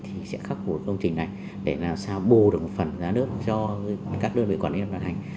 thì sẽ khắc phục công trình này để làm sao bù được một phần giá nước cho các đơn vị quản lý vận hành